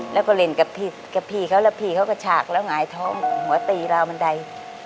แล้วก็เล่นกับพี่กับพี่เขาแล้วพี่เขาก็ฉากแล้วหงายท้องหัวตีราวบันได